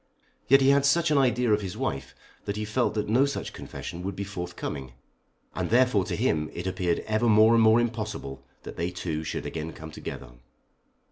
Yet he had such an idea of his wife, that he felt that no such confession would be forthcoming, and therefore to him it appeared ever more and more impossible that they two should again come together.